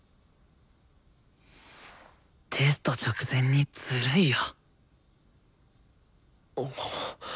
テスト直前にずるいよ。